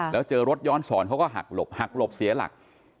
แล้วเจอรถย้อนสอนเขาก็หักหลบหักหลบเสียหลัก